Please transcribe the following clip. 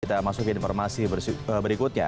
kita masukin informasi berikutnya